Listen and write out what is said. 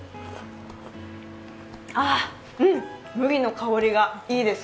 ああ、うん、麦の香りがいいです。